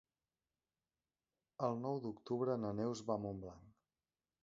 El nou d'octubre na Neus va a Montblanc.